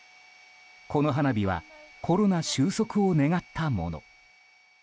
この花火はコロナ収束を願ったもの。